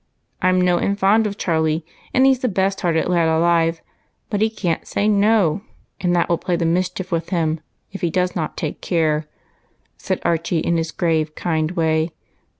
I 'm no end fond of Charlie, and he 's the best hearted lad alive ; but he can't say No, and that will play the mischief with him, if he does not take care," said Archie in his grave, kind way.